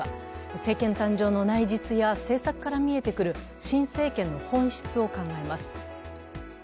政権誕生の内実や政策から見えてくる新政権の本質を考えます。